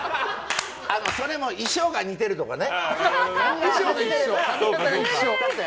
それも衣装が似てるとかね。